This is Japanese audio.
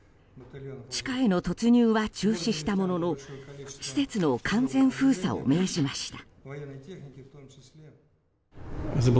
地下への突入は中止したものの施設の完全封鎖を命じました。